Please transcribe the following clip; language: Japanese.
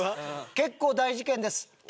結構大事件です。